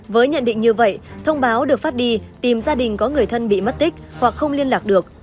với nhận định như vậy thông báo được phát đi tìm gia đình có người thân bị mất tích hoặc không liên lạc được